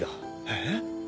えっ？